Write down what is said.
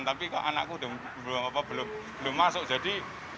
tapi kok anakku belum masuk jadi